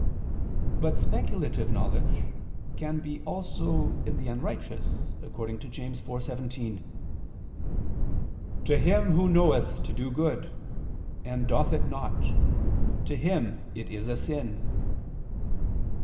But speculative knowledge can be also in the unrighteous, according to James 4:17: "To him ... who knoweth to do good, and doth it not, to him it is a sin."